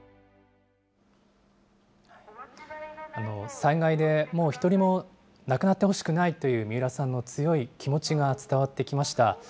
災害でもう１人も亡くなってほしくないという三浦さんの強い気持ちが伝わってきました。